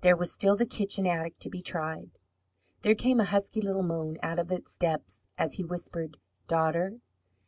There was still the kitchen attic to be tried. There came a husky little moan out of its depths, as he whispered, "Daughter!"